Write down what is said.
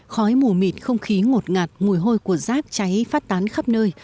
khói mù mịt không khí ngột ngạt mùi hôi của rác cháy phát tán khắp nơi